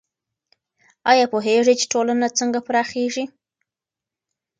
آیا پوهېږئ چې ټولنه څنګه پراخیږي؟